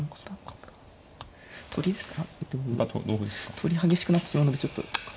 取り激しくなってしまうのがちょっと。